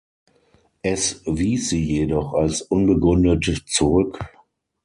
Es wies sie jedoch als unbegründet zurück.